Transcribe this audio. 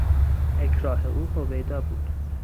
اکراه او هویدا بود.